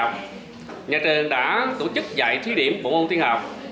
trong đầu năm học vừa qua nhà trường đã tổ chức dạy thí điểm bộ môn tiên học